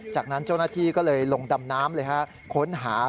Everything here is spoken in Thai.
จากนั้นเจ้าหน้าที่ก็เลยลงดำน้ำเลยฮะค้นหา